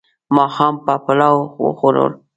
ماښام به پلاو وخورو